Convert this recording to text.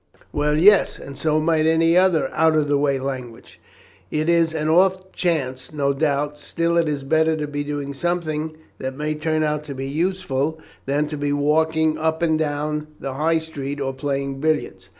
"Well, yes, and so might any other out of the way language." "It is an off chance, no doubt; still it is better to be doing something that may turn out useful than to be walking up and down the High Street or playing billiards.